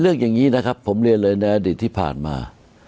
อย่างนี้นะครับผมเรียนเลยในอดีตที่ผ่านมา